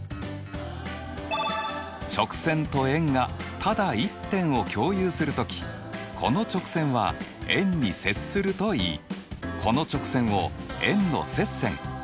直線と円がただ１点を共有する時この直線は円に接するといいこの直線を円の接線